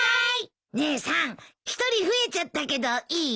姉さん１人増えちゃったけどいい？